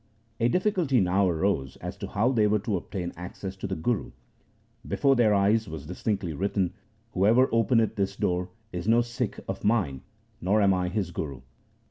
A difficulty now arose as to how they were to obtain access to the Guru. Before their eyes was distinctly written, ' Whoever openeth this door is no Sikh of mine, nor am I his Guru.'